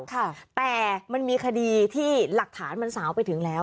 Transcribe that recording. แต่มันมีคดีที่หลักฐานมันสาวไปถึงแล้ว